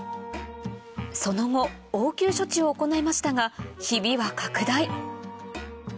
その後応急処置を行いましたがひびは拡大